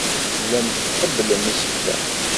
Tellam tqebblem isefka.